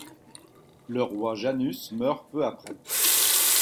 Le roi Janus meurt peu après.